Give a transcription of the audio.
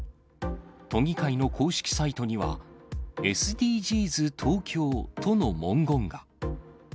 都議会の公式サイトには、ＳＤＧｓ東京との文言が。